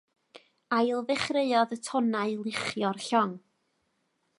Ail ddechreuodd y tonnau luchio'r llong.